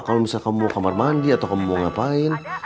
kalau misalnya kamu mau kamar mandi atau kamu mau ngapain